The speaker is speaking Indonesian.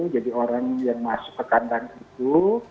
jadi orang yang masuk ke kandang itu